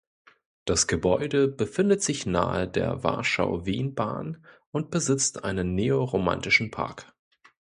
Das Gebäude befindet sich nahe der Warschau-Wien-Bahn und besitzt einen Neo-Romantischen Park.